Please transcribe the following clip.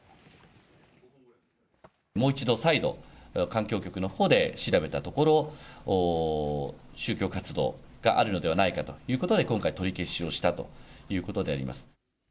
もう一度、再度、環境局のほうで調べたところ、宗教活動があるのではないかということで、今回、取り消しをしたということであります。